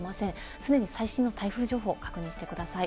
常に最新の台風情報を確認してください。